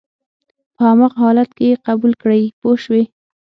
په هماغه حالت کې یې قبول کړئ پوه شوې!.